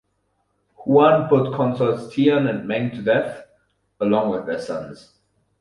Huan put Consorts Tian and Meng to death, along with their sons.